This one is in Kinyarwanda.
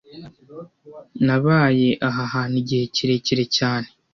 Nabaye aha hantu igihe kirekire cyane